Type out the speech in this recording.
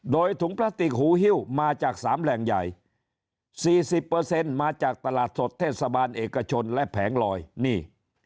โดยถุงพลาสติกหูฮิ้วมาจาก๓แหล่งใหญ่๔๐มาจากตลาดสดเทศบาลเอกชนและแผงลอยนี่